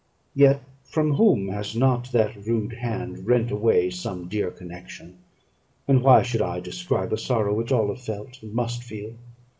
Yet from whom has not that rude hand rent away some dear connection? and why should I describe a sorrow which all have felt, and must feel?